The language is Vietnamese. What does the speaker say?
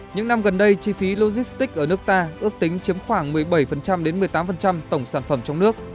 những năm gần đây chi phí logistics ở nước ta ước tính chiếm khoảng một mươi bảy một mươi tám tổng sản phẩm trong nước